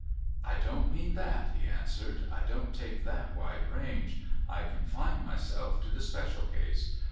' I don't mean that,' he answered ;' I don't take that wide range ; I confine myself to the special case.